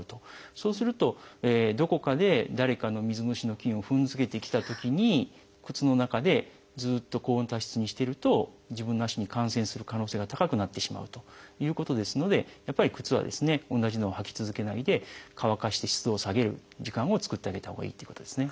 そうするとどこかで誰かの水虫の菌を踏んづけてきたときに靴の中でずっと高温多湿にしてると自分の足に感染する可能性が高くなってしまうということですのでやっぱり靴は同じのを履き続けないで乾かして湿度を下げる時間を作ってあげたほうがいいっていうことですね。